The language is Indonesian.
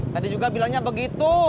tadi juga bilangnya begitu